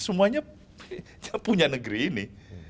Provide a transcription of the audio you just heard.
semuanya punya negeri ini